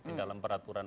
di dalam peraturan